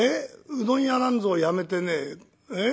うどん屋なんぞやめてねええ？